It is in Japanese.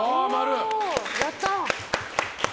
やったー。